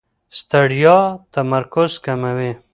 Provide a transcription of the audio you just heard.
ستړیا تمرکز کموي.